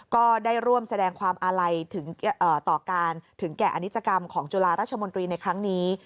ก็ได้ร่วมแสดงความอาลัยถึงต่อการถึงแก่อนิจกรรมของจุฬาราชมนตรีในครั้งนี้